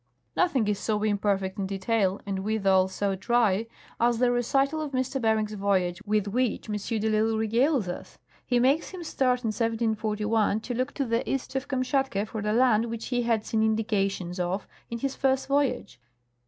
"Nothing is so imperfect in detail, and withal so dry, as the recital of M. Bering's voyage with which M. de I'lsle regales us. He makes him start in 1741 to look to the east of Kamshatka for the land which he had seen indications of in his first voyage.